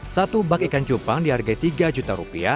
satu bak ikan cupang dihargai rp tiga